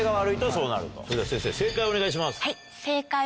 それでは先生正解をお願いします。